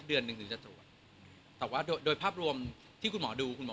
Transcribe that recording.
เมื่ออันดับ๑๗พี่บอกว่าภูมิต้องการที่เจ็บหิต